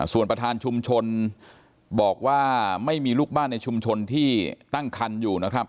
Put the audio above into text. ส่วนประธานชุมชนบอกว่าไม่มีลูกบ้านในชุมชนที่ตั้งคันอยู่นะครับ